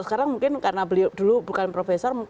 sekarang mungkin karena beliau dulu bukan profesor